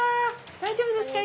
大丈夫ですか？